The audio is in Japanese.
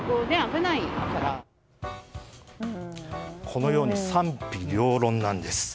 このように賛否両論なんです。